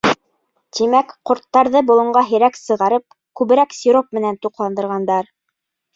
Тимәк, ҡорттарҙы болонға һирәк сығарып, күберәк сироп менән туҡландырғандар.